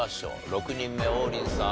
６人目王林さん